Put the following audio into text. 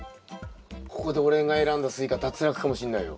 ここで俺が選んだスイカ脱落かもしんないよ。